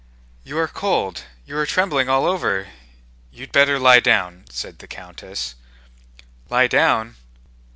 "You are cold. You are trembling all over. You'd better lie down," said the countess. "Lie down?